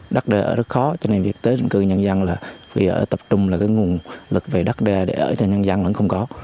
đất đê ở rất khó cho nên việc tái định cư nhân dân là bây giờ tập trung là cái nguồn lực về đất đê để ở cho nhân dân vẫn không có